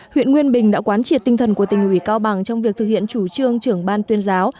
huyện nguyên bình đã quán triệt tinh thần của tỉnh ủy cao bằng trong việc thực hiện chủ trương trưởng ban tuyên giáo